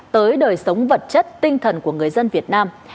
tới đời sống vật chất tinh thần của người dân việt nam